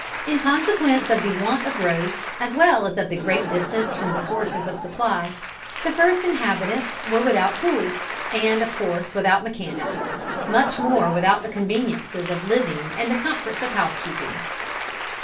In consequence of the want of roads as well as of the great distance from the sources of supply the first inhabitants were without tools, and of course without mechanics much more without the conveniences of living and the comforts of housekeeping.